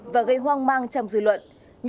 và gây hoang mang trong dư luận